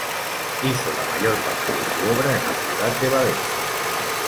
Hizo la mayor parte de su obra en la ciudad de Valencia.